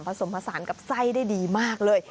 ผสมผสานกับไส้ได้ดีมากเลย